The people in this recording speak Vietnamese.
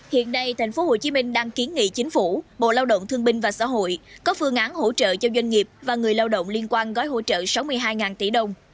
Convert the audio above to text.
hiện nay tp hcm đang kiến nghị chính phủ bộ lao động thương binh và xã hội có phương án hỗ trợ cho doanh nghiệp và người lao động liên quan gói hỗ trợ sáu mươi hai tỷ đồng